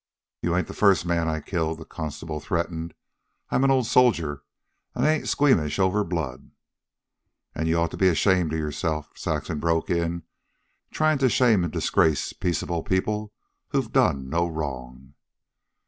"You ain't the first man I killed," the constable threatened. "I'm an old soldier, an' I ain't squeamish over blood " "And you ought to be ashamed of yourself," Saxon broke in, "trying to shame and disgrace peaceable people who've done no wrong."